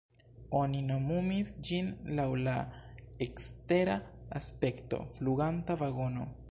Oni nomumis ĝin laŭ la ekstera aspekto „fluganta vagono”.